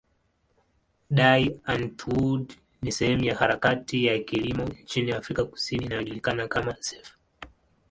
Die Antwoord ni sehemu ya harakati ya kilimo nchini Afrika Kusini inayojulikana kama zef.